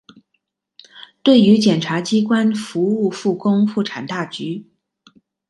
对于检察机关服务复工复产大局